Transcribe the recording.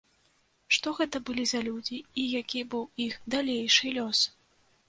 Што гэта былі за людзі і які быў іх далейшы лёс?